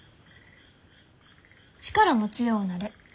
力も強うなる。